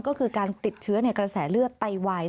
ก็คือการติดเชื้อในกระแสเลือดไตวาย